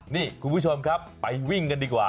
นี่คุณผู้ชมครับไปวิ่งกันดีกว่า